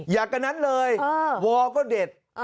อยากกันนั้นเลยวอลก็เด็ด